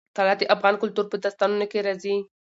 طلا د افغان کلتور په داستانونو کې راځي.